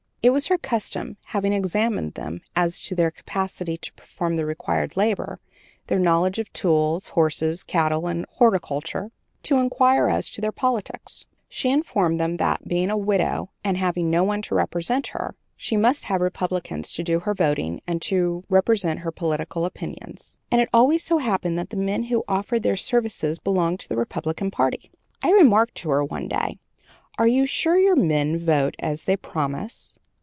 It was her custom, having examined them as to their capacity to perform the required labor, their knowledge of tools, horses, cattle, and horticulture, to inquire as to their politics. She informed them that, being a widow and having no one to represent her, she must have Republicans to do her voting and to represent her political opinions, and it always so happened that the men who offered their services belonged to the Republican party. I remarked to her, one day, 'Are you sure your men vote as they promise?'